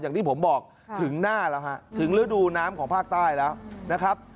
อย่างที่ผมบอกถึงหน้าแล้วฮะถึงฤดูน้ำของภาคใต้แล้วนะครับ